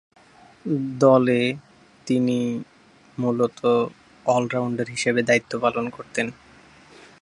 দলে তিনি মূলতঃ অল-রাউন্ডার হিসেবে দায়িত্ব পালন করতেন।